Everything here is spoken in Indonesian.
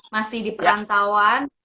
masih di perantauan